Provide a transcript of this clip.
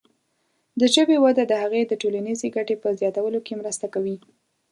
د ژبې وده د هغې د ټولنیزې ګټې په زیاتولو کې مرسته کوي.